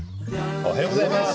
おはようございます。